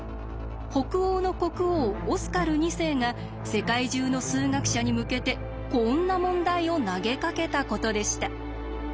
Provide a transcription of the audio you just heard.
北欧の国王オスカル２世が世界中の数学者に向けてこんな問題を投げかけたことでした。